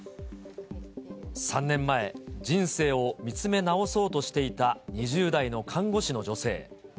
３年前、人生を見つめ直そうとしていた２０代の看護師の女性。